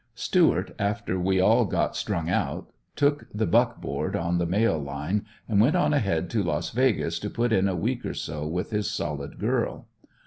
Stuart, after we all got strung out, took the "buck board" on the mail line, and went on ahead to Las Vegas to put in a week or so with his solid girl.